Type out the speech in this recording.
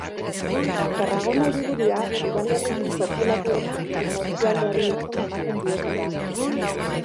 Tarragona hiriburua, udalerririk populatuena eta eskualdeari izena ematen diona da.